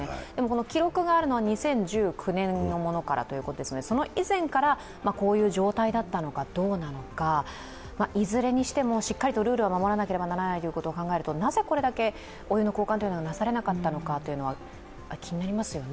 記録があるのは２０１９年のものからということですので、その以前からこういう状態だったのか、どうなのか、いずれにしても、しっかりとルールを守らなければならないと考えるとなぜこれだけお湯の交換がなされなかったのかというのは気になりますよね。